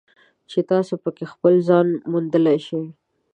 چې تاسو پکې خپل ځان موندلی شئ.